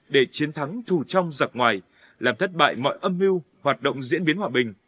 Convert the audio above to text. để chiến thắng thù trong giặc ngoài làm thất bại mọi âm mưu hoạt động diễn biến hòa bình